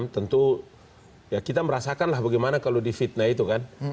tentu kita merasakan lah bagaimana kalau di fitnah itu kan